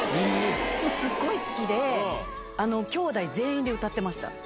すっごい好きで、きょうだい全員で歌ってました。